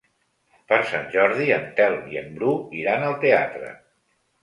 Per Sant Jordi en Telm i en Bru iran al teatre.